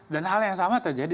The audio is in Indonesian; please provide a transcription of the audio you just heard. dan hal yang sama terjadi